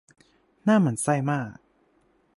น่าหมั่นไส้มาก